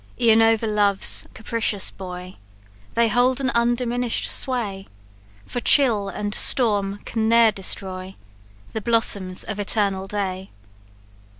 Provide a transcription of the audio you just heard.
"E'en over love's capricious boy They hold an undiminish'd sway; For chill and storm can ne'er destroy The blossoms of eternal day.